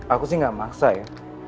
aku sih gak maksa ya